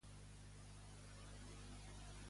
En quin moment va anar-hi Xerxes?